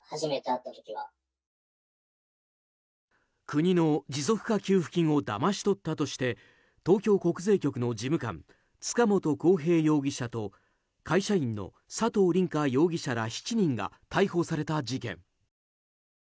国の持続化給付金をだまし取ったとして東京国税局の事務官塚本晃平容疑者と会社員の佐藤凛果容疑者ら７人が逮捕された事件。